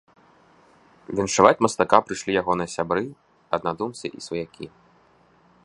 Віншаваць мастака прыйшлі ягоныя сябры, аднадумцы і сваякі.